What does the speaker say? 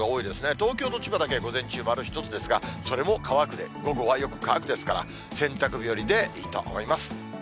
東京と千葉だけ、午前中丸１つで、それも乾くで、午後はよく乾くですから、洗濯日和でいいと思います。